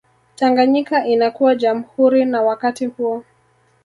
Tanganyika inakuwa jamhuri na wakati huo